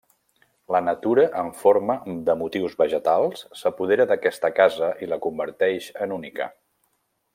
La natura en forma de motius vegetals s'apodera d'aquesta casa i la converteix en única.